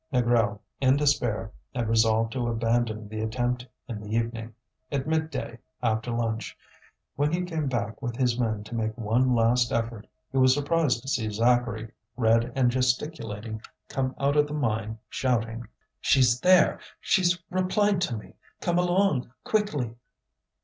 Négrel, in despair, had resolved to abandon the attempt in the evening. At midday, after lunch, when he came back with his men to make one last effort, he was surprised to see Zacharie, red and gesticulating, come out of the mine shouting: "She's there! She's replied to me! Come along, quickly!"